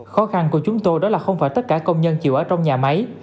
khó khăn của chúng tôi đó là không phải tất cả công nhân chịu ở trong nhà máy